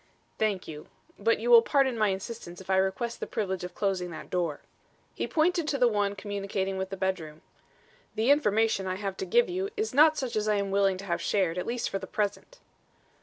"Thank you, but you will pardon my insistence if I request the privilege of closing that door." He pointed to the one communicating with the bedroom. "The information I have to give you is not such as I am willing to have shared, at least for the present."